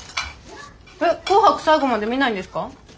えっ「紅白」最後まで見ないんですか？